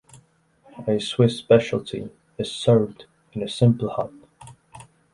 A Swiss specialty is served in a simple hut.